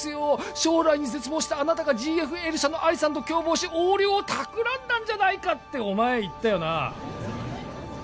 「将来に絶望したあなたがＧＦＬ社のアリさんと共謀し」「横領をたくらんだんじゃないか」ってお前言ったよな